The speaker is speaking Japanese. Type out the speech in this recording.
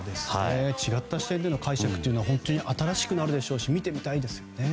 違った視点での解釈は本当に新しくなるし見てみたいですね。